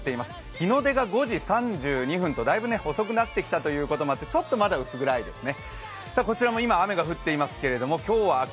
日の出が５時３２分とだいぶ遅くなってきたということもあって、所長「特茶」ってちょっと高いですよね